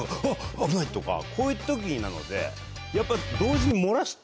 危ない！とかこういう時なので同時に。